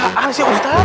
apaan sih ustadz